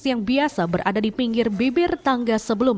yang biasa berada di pinggir bibir tangga sebelumnya